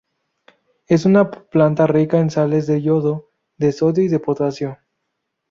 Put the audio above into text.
Es una planta rica en sales de yodo, de sodio y de potasio.